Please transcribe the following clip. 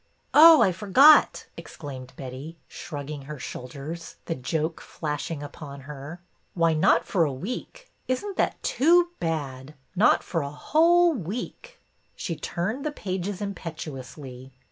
'' Oh, I forgot," exclaimed Betty, shrugging her shoulders, the joke flashing upon her. Why, not for a week. Is n't that too bad ! Not for a whole week !" She turned the pages impetuously.